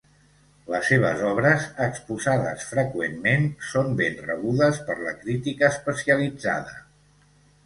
Les seves obres, exposades freqüentment, són ben rebudes per la crítica especialitzada.